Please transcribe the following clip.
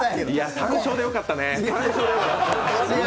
単勝でよかったね。